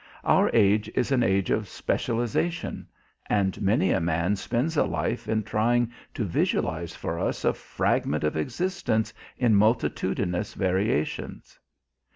Our age is an age of specialization, and many a man spends a life in trying to visualize for us a fragment of existence in multitudinous variations.